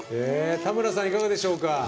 田村さん、いかがでしょうか。